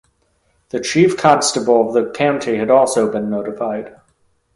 The chief constable of the county had also been notified.